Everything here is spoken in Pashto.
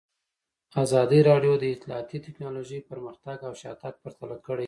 ازادي راډیو د اطلاعاتی تکنالوژي پرمختګ او شاتګ پرتله کړی.